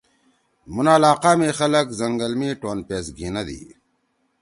مُھن علاقہ می خلگ زنگل می ٹون پیس گھیِندی۔